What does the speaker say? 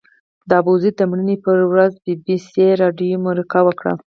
د ابوزید د مړینې پر ورځ بي بي سي راډیو مرکه وکړه.